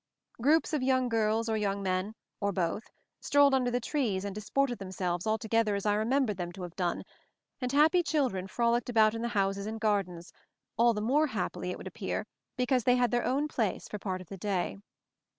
Groups of young girls or young men — or both — strolled under the trees and disported MOVING THE MOUNTAIN 165 themselves altogether as I remembered them to have done, and happy children f rolicked about in the houses and gardens, all the more happily, it would appear, because they had their own place for part of the day.